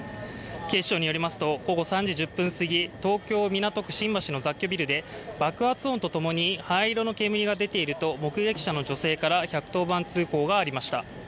警視庁によりますと、午後３時１０分すぎ、東京・港区新橋の雑居ビルで爆発音とともに灰色の煙が出ていると目撃者の女性から１１０番通報がありました。